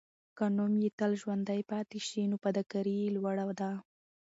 که نوم یې تل ژوندی پاتې سي، نو فداکاري یې لوړه ده.